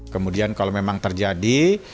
kemudian kalau memang tidak ada masker